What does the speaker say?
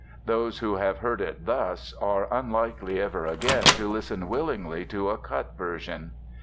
Those who have heard it thus are unlikely ever again to listen willingly to a cut version.